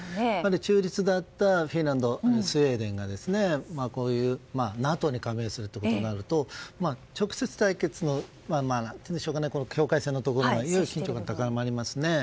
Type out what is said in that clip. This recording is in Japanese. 中立だったフィンランドスウェーデンがＮＡＴＯに加盟するということになると直接対決、境界線のところでの緊張感が高まりますね。